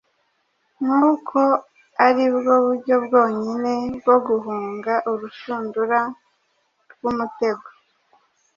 Nkuko aribwo buryo bwonyine bwo guhunga urushundura rwumutego